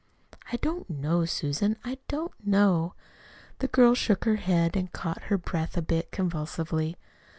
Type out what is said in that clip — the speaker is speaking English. "I don't know, Susan, I don't know." The girl shook her head and caught her breath a bit convulsively.